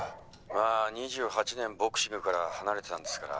「まあ２８年ボクシングから離れてたんですから」